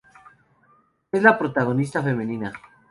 Es la protagonista femenina.